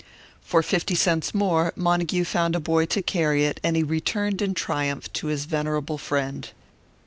For fifty cents more Montague found a boy to carry it, and he returned in triumph to his venerable friend.